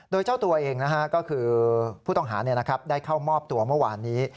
โดยเจ้าตัวเองก็คือผู้ต้องหาได้เข้ามอบตัวเมื่อวานนี้